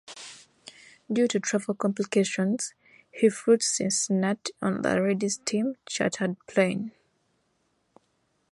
Due to travel complications, he flew to Cincinnati on the Reds team chartered plane.